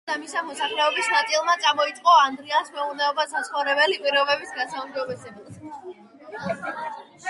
მიუხედავად ამისა, მოსახლეობის ნაწილმა წამოიწყო მეურნეობა საცხოვრებელი პირობების გასაუმჯობესებლად.